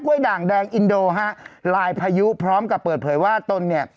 ด่างแดงอินโดฮะลายพายุพร้อมกับเปิดเผยว่าตนเนี่ย